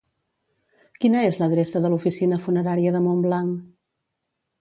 Quina és l'adreça de l'oficina funerària de Montblanc?